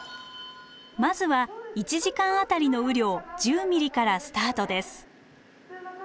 まずは１時間当たりの雨量１０ｍｍからスタートです。